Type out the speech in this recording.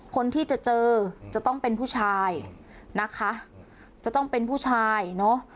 คนที่จะเจอจะต้องเป็นผู้ชายนะคะจะต้องเป็นผู้ชายเนอะ